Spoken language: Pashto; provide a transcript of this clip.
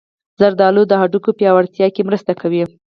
زردالو د هډوکو پیاوړتیا کې مرسته کوي.